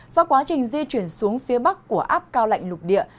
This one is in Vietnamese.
do quá trình di chuyển xuống phía bắc của áp cao lạnh lục địa